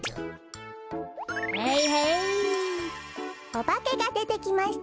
「おばけがでてきました」。